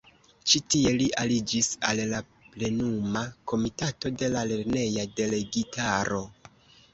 Ĉi tie li aliĝis al la Plenuma Komitato de la lerneja delegitaro.